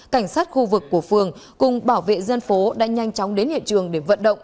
cảnh sát khu vực của phường cùng bảo vệ dân phố đã nhanh chóng đến hiện trường để vận động